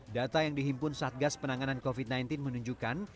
data yang dihimpun satgas penanganan covid sembilan belas menunjukkan